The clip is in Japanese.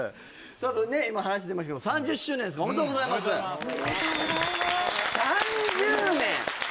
ねっ今話出ましたけど３０周年おめでとうございます・おめでとうございます３０年！